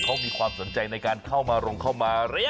เขามีความสนใจในการเข้ามาลงเข้ามาเรียก